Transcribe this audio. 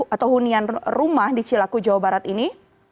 atau hunian rumah di cilaku jawa barat ini